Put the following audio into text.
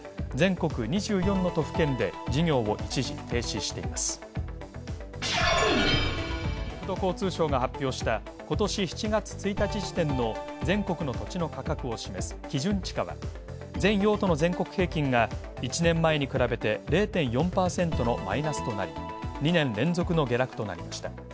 国土交通省が発表した、今年７月１日時点の全国の土地の価格を示す基準地価は、全用途の全国平均が１年前に比べて０．４％のマイナスとなり、２年連続の下落となりました。